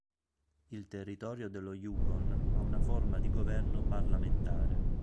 Il territorio dello Yukon ha una forma di governo parlamentare.